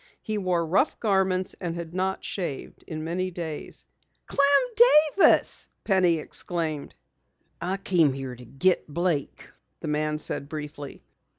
He wore rough garments and had not shaved in many days. "Clem Davis!" Penny exclaimed. "I came here to get Blake," the man said briefly.